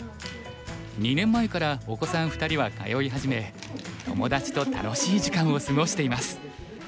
２年前からお子さん２人は通い始め友達と楽しい時間を過ごしています。